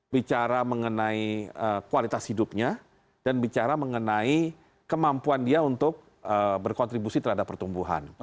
bicara mengenai kualitas hidupnya dan bicara mengenai kemampuan dia untuk berkontribusi terhadap pertumbuhan